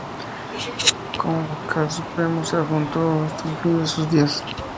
Como vocal supremo se mantuvo hasta el fin de sus días.